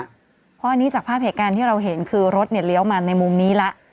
เพราะอันนี้จากภาพเหตุการณ์ที่เราเห็นคือรถเลี้ยวมาในมุมนี้แล้ว